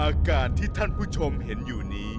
อากาศที่ท่านผู้ชมเห็นอยู่นี้